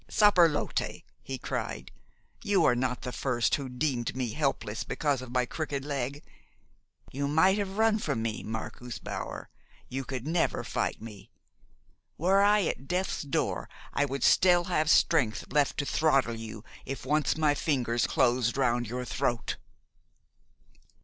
"Saperlotte!" he cried, "you are not the first who deemed me helpless because of my crooked leg. You might have run from me, Marcus Bauer; you could never fight me. Were I at death's door, I would still have strength left to throttle you if once my fingers closed round your throat."